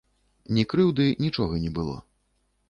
Ні крыўды, нічога не было.